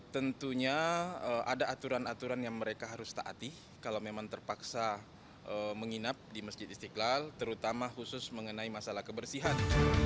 tentunya ada aturan aturan yang mereka harus taati kalau memang terpaksa menginap di masjid istiqlal terutama khusus mengenai masalah kebersihan